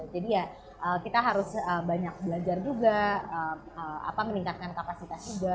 jadi ya kita harus banyak belajar juga meningkatkan kapasitas juga